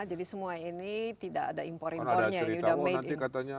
jadi semua ini tidak ada impor impornya